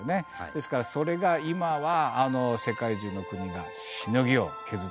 ですからそれが今は世界中の国がしのぎを削っている。